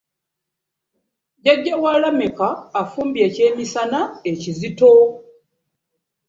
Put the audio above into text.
Jjaja wa Lameka afumbye ekyemisana ekizito.